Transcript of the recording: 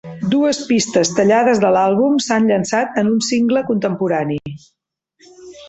Dues pistes tallades de l'àlbum s'han llançat en un single contemporani.